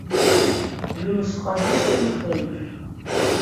Ҩымшҟагьы сынхеит.